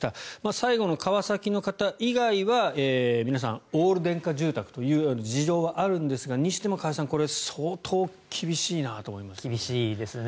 最後の川崎の方以外は皆さん、オール電化住宅という事情はあるんですがにしても加谷さんこれは相当厳しいなと思いますね。